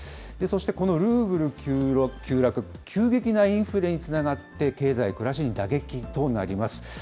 そして、このルーブル急落、急激なインフレにつながって、経済、暮らしに打撃となります。